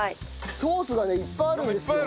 ソースがねいっぱいあるんですよ。